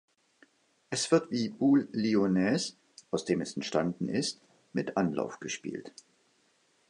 Es wird wie Boule Lyonnaise, aus dem es entstanden ist, mit Anlauf gespielt.